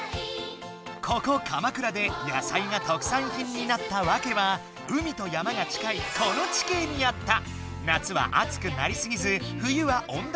ここ鎌倉で野菜が特産品になったわけは海と山が近いこの地形にあった。